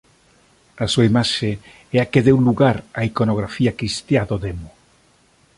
A súa imaxe é a que deu lugar á iconografía cristiá do demo.